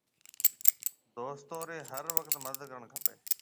دوستون رِي هر وقت مدد ڪرڻ کپيَ۔